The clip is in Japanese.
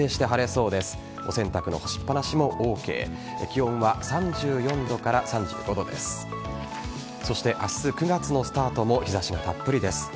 そして明日、９月のスタートも日差しがたっぷりです。